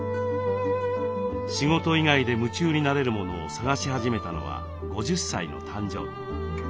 仕事以外で夢中になれるものを探し始めたのは５０歳の誕生日。